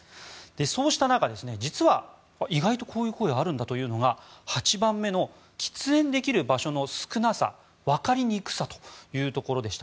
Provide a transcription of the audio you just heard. そうした中意外とこういう声あるんだというのが８番目の喫煙する場所の少なさわかりにくさというのでした。